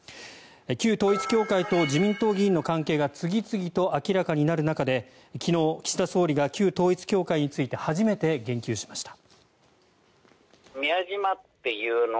旧統一教会と自民党議員の関係が次々と明らかになる中で昨日、岸田総理が旧統一教会について初めて言及しました。